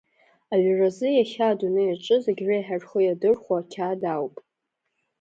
Аҩразы иахьа адунеи аҿы зегь реиҳа рхы иадырхәо ақьаад ауп.